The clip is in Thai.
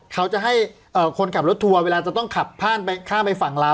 เขาจะให้คนขับรถทัวร์เวลาจะต้องขับผ่านข้ามไปฝั่งลาว